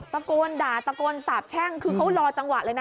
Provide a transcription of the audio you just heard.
ตะโกนด่าตะโกนสาบแช่งคือเขารอจังหวะเลยนะ